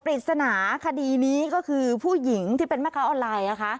ปริศนาคดีนี้ก็คือผู้หญิงที่เป็นแม่ค้าออนไลน์นะคะ